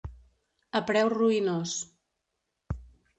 A preu ruïnós.